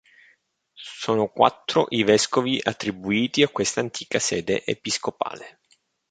Sono quattro i vescovi attribuiti a questa antica sede episcopale.